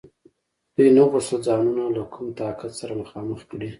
دوی نه غوښتل ځانونه له کوم طاقت سره مخامخ کړي.